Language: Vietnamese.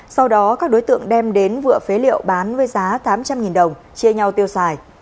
sau đó các đối tượng đem đến vựa phế liệu bán với giá tám trăm linh đồng chia nhau tiêu xài